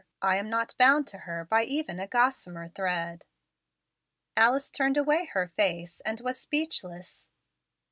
I am not bound to her by even a gossamer thread." Alice turned away her face, and was speechless.